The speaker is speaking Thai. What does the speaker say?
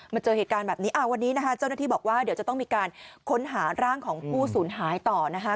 เจอเหตุการณ์แบบนี้วันนี้นะคะเจ้าหน้าที่บอกว่าเดี๋ยวจะต้องมีการค้นหาร่างของผู้สูญหายต่อนะคะ